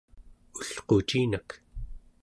ulqucinak